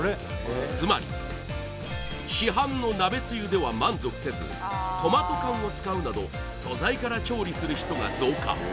つまり市販の鍋つゆでは満足せずトマト缶を使うなど素材から調理する人が増加